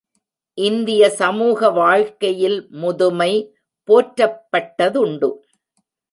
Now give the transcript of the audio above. இந்திய சமூக வாழ்க்கையில் முதுமை, போற்றப்பட்டதுண்டு.